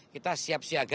kita siap siaga